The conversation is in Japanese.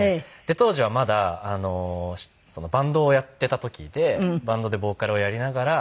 当時はまだバンドをやってた時でバンドでボーカルをやりながら。